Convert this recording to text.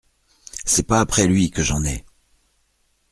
C’est pas après lui que j’en ai !